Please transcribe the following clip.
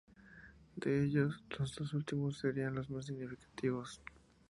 De ellos, los dos últimos serían los más significativos.